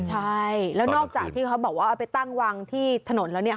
ใช่แล้วนอกจากที่เขาบอกว่าเอาไปตั้งวางที่ถนนแล้วเนี่ย